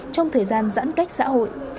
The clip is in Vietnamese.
trong thời gian giãn cách xã hội